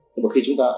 nhưng mà khi chúng ta